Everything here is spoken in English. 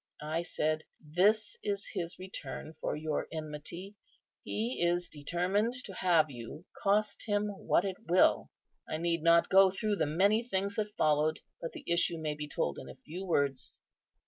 I said, 'This is His return for your enmity: He is determined to have you, cost Him what it will.' I need not go through the many things that followed, but the issue may be told in few words.